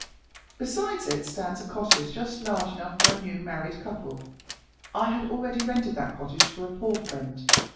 Beside it stands a cottage just large enough for a new married couple. I had already rented that cottage for a poor friend.